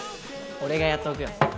俺がやっておくよ